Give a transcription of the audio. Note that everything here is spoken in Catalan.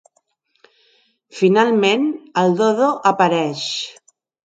Finalment, el Dodo apareix.